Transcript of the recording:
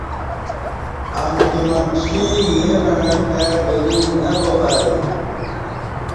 امکی منچی ایں مع کائی وری نہ وا آئی